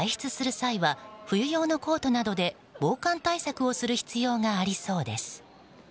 際は冬用のコートなどで防寒対策をする必要がありそうです。